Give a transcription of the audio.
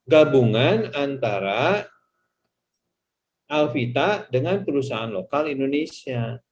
gabungan antara alvita dengan perusahaan lokal indonesia